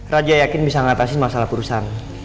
raja yakin bisa mengatasi masalah perusahaan